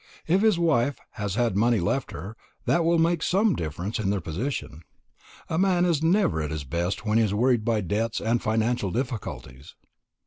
If his wife has had money left her, that will make some difference in their position. A man is never at his best when he is worried by debts and financial difficulties."